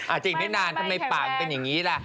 อีกไม่นานทำไมปากมันเป็นอย่างนี้ล่ะ